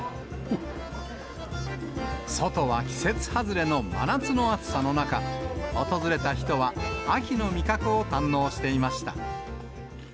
外は季節外れの真夏の暑さの中、訪れた人は、秋の味覚を堪能していました。